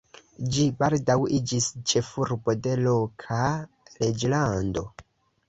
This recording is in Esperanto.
Ĝi baldaŭ iĝis ĉefurbo de loka reĝlando.